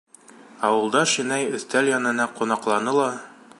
Ауылдаш инәй өҫтәл янына ҡунаҡланы ла: